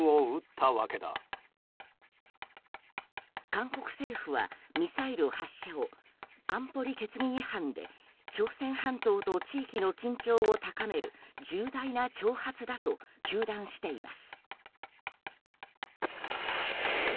韓国政府はミサイル発射を安保理決議違反で朝鮮半島と地域の緊張を高める重大な挑発だと糾弾しています。